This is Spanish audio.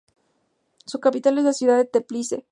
Su capital es la ciudad de Teplice.